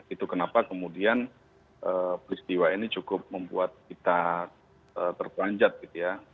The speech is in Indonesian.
itu kenapa kemudian peristiwa ini cukup membuat kita terpanjat gitu ya